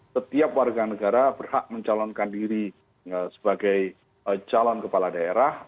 setiap warga negara berhak mencalonkan diri sebagai calon kepala daerah